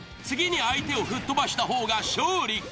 次に相手を吹っ飛ばしたほうが勝利。